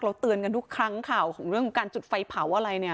เตือนกันทุกครั้งข่าวของเรื่องของการจุดไฟเผาอะไรเนี่ย